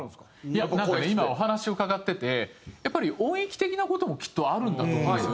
いや今お話を伺っててやっぱり音域的な事もきっとあるんだと思うんですよね。